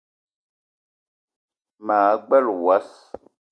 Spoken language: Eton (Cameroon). Ma gbele wass